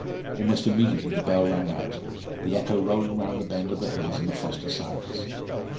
Almost immediately the bell rang out, the echo rolling round the bend of the hills in the frosty silence.